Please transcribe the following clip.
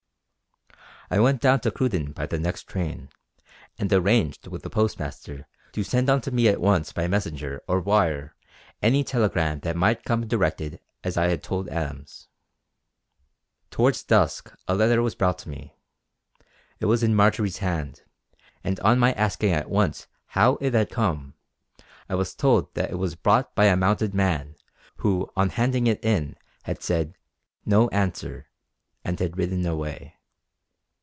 I went down to Cruden by the next train, and arranged with the postmaster to send on to me at once by messenger or wire any telegram that might come directed as I had told Adams. Towards dusk a letter was brought to me. It was in Marjory's hand, and on my asking at once how it had come, I was told that it was brought by a mounted man who on handing it in had said "no answer" and had ridden away.